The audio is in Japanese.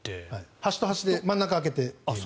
端と端で真ん中開けて。